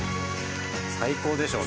最高でしょうね。